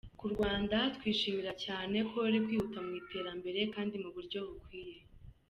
Ku Rwanda, twishimira cyane ko ruri kwihuta mu iterambere kandi mu buryo bukwiye.